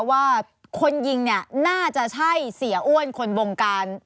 ว่าคนยิงเนี่ยน่าจะใช่เสียอ้วนคนบงการ